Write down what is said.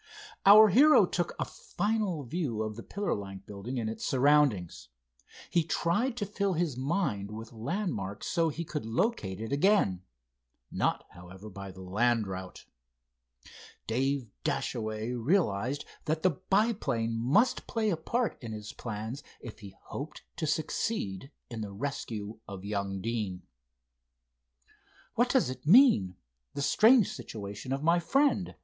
Our hero took a final view of the pillar like building and its surroundings. He tried to fill his mind with landmarks so he could locate it again. Not, however, by the land route. Dave Dashaway realized that the biplane must play a part in his plans if he hoped to succeed in the rescue of young Deane. "What does it mean—the strange situation of my friend?"